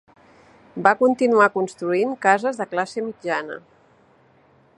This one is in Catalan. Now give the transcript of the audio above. Va continuar construint cases de classe mitjana.